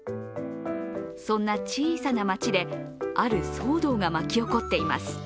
そんな小さな町で、ある騒動が巻き起こっています。